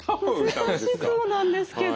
難しそうなんですけど。